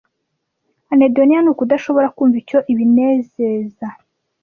Anhedoniya ni ukudashobora kumva icyo Ibinezeza